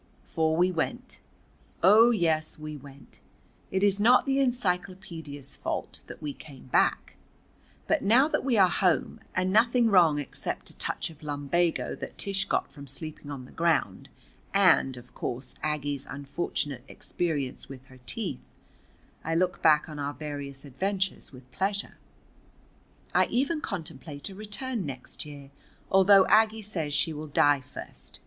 For we went. Oh, yes, we went. It is not the encyclopædia's fault that we came back. But now that we are home, and nothing wrong except a touch of lumbago that Tish got from sleeping on the ground, and, of course, Aggie's unfortunate experience with her teeth, I look back on our various adventures with pleasure. I even contemplate a return next year, although Aggie says she will die first.